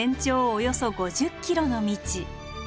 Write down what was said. およそ５０ｋｍの道。